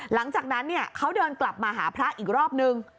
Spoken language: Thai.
หลังจากนั้นเขาเดินกลับมาหาพระอีกรอบนึง